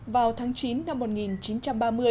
vào tháng chín năm một nghìn chín trăm ba mươi